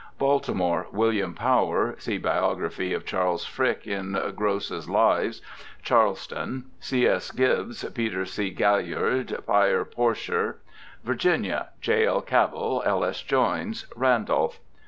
Baltimore : William Power (see biography of Charles Frick, in Gross's Lives). Charles ton : G. S. Gibbes, Peter C. Gaillard, Peyre Porcher. Virginia: J. L.Cabell, L. S. Joynes, Randolph.